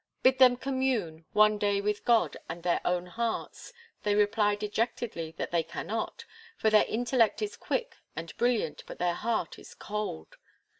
Bid them commune, one day with God and their own hearts they reply dejectedly that they cannot; for their intellect is quick and brilliant, but their heart is cold.